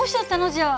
じゃあ。